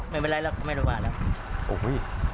ไม่เป็นไรแล้วไม่เป็นไรแล้ว